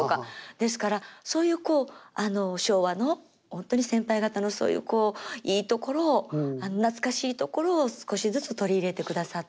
ですからそういう昭和の本当に先輩方のそういういいところを懐かしいところを少しずつ取り入れてくださって。